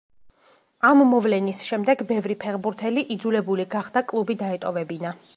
ამ მოვლენის შემდეგ ბევრი ფეხბურთელი იძულებული გახდა, კლუბი დაეტოვებინა.